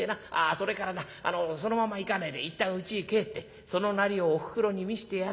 それからなそのまま行かねえでいったんうちへ帰ってそのなりをおふくろに見してやれ。